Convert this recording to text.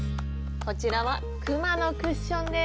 こちらはくまのクッションです。